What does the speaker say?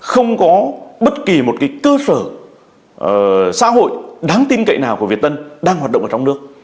không có bất kỳ một cái cơ sở xã hội đáng tin cậy nào của việt tân đang hoạt động ở trong nước